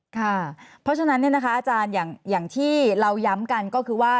ค่ะเพราะฉะนั้นอาจารย์อย่างที่เราย้ำกันก็คือว่า